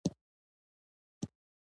راکټ د وخت نه وړاندې هدف ته رسېږي